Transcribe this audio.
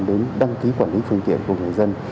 đến đăng ký quản lý phương tiện của người dân